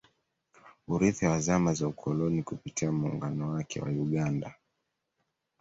Urithi wa zama za ukoloni Kupitia muungano wake wa Uganda